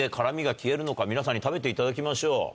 皆さんに食べていただきましょう。